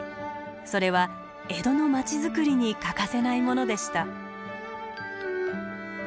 それは江戸の町づくりに欠かせないものでした。